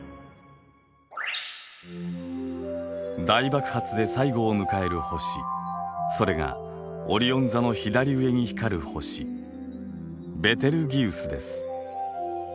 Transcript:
大爆発で最後を迎える星それがオリオン座の左上に光る星ベテルギウスです。